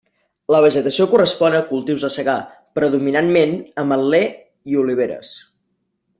La vegetació correspon a cultius de secà, predominantment ametler i oliveres.